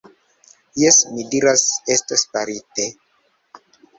Jes, mi diras, estos farite.